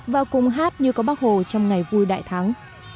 và cùng hát như có bác hồ trong ngày vui đại thắng